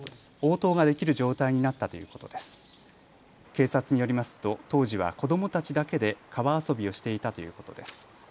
警察によりますと当時は子どもたちだけで川遊びをしていたということです。